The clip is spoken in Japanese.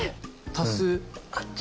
多数？